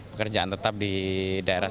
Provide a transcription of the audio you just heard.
pekerjaan tetap di daerah